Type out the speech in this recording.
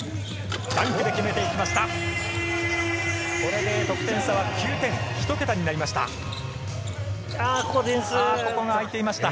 ダンクで決めていきました。